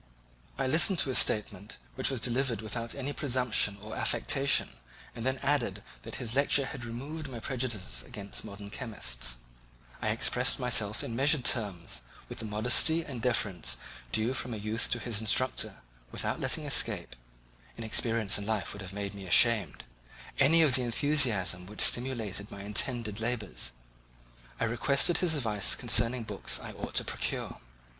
I listened to his statement, which was delivered without any presumption or affectation, and then added that his lecture had removed my prejudices against modern chemists; I expressed myself in measured terms, with the modesty and deference due from a youth to his instructor, without letting escape (inexperience in life would have made me ashamed) any of the enthusiasm which stimulated my intended labours. I requested his advice concerning the books I ought to procure.